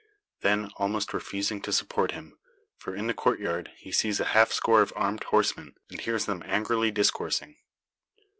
Then almost refusing to support him: for, in the courtyard he sees a half score of armed horsemen, and hears them angrily discoursing.